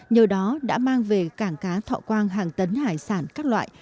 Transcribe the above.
nhờ đó đã mang về cảng cá thọ quang hàng tấn hải sản các loại